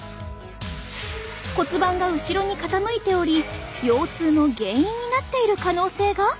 骨盤が後ろに傾いており腰痛の原因になっている可能性が！？